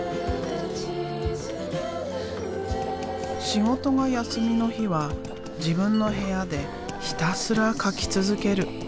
仕事が休みの日は自分の部屋でひたすら描き続ける。